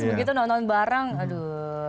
begitu nonton bareng aduh